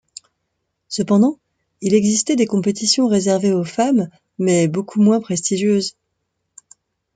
Cependant, il existait des compétitions réservées aux femmes mais beaucoup moins prestigieuses.